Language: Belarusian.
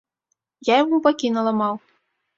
Я яму бакі наламаў.